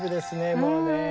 もうね。